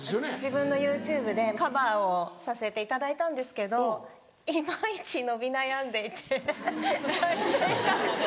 自分のＹｏｕＴｕｂｅでカバーをさせていただいたんですけど今イチ伸び悩んでいて再生回数が。